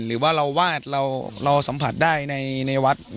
หรือว่าเราวาดเราสัมผัสได้ในวัด